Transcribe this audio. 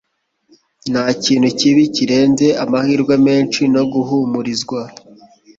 Ntakintu kibi kirenze amahirwe menshi no guhumurizwa.